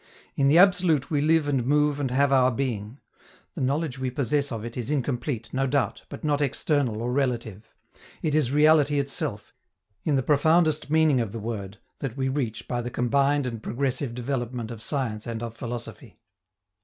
In the absolute we live and move and have our being. The knowledge we possess of it is incomplete, no doubt, but not external or relative. It is reality itself, in the profoundest meaning of the word, that we reach by the combined and progressive development of science and of philosophy.